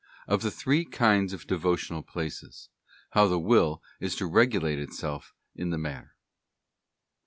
Of the three kinds of devotional places. How the will is to regulate itself in the matter.